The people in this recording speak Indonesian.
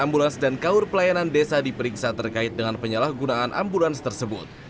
ambulans dan kaur pelayanan desa diperiksa terkait dengan penyalahgunaan ambulans tersebut